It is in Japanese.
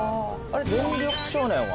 『全力少年』は？